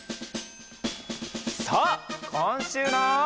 さあこんしゅうの。